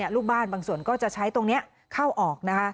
ลูกบ้านบางส่วนก็จะใช้ตรงนี้เข้าออก